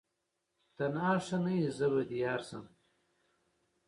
تنها ښه نه یې زه به دي یارسم